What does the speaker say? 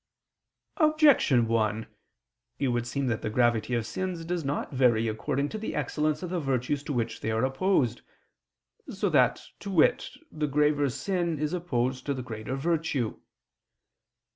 Objection 1: It would seem that the gravity of sins does not vary according to the excellence of the virtues to which they are opposed, so that, to wit, the graver sin is opposed to the greater virtue.